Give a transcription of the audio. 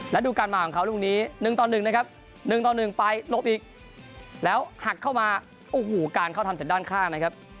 และดูการมาของเขาลูกนี้๑ต่อ๑นะครับ๑ต่อ๑ไปหลบอีกแล้วหักเข้ามาโอ้โหการเข้าทำจากด้านข้างนะครับ